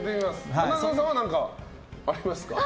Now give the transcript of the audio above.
花澤さんは何かありますか？